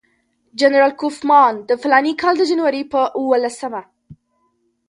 جنرال کوفمان د فلاني کال د جنوري پر اووه لسمه.